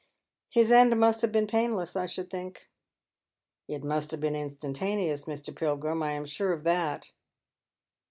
" His end must have been painless, I should think." " It must have been instant<aneous, Mr. Pilgrim. I am sure of that."